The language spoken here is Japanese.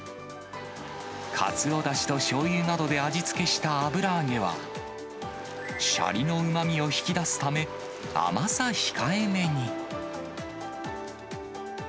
かつおだしとしょうゆなどで味付けした油揚げは、しゃりのうまみを引き出すため、甘さ控えめに。